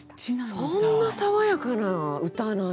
そんな爽やかな歌なんや。